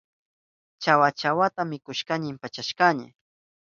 Chawa chawata mikushpayni impachashkani.